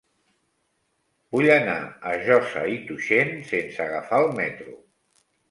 Vull anar a Josa i Tuixén sense agafar el metro.